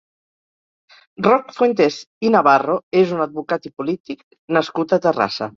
Roc Fuentes i Navarro és un advocat i polític nascut a Terrassa.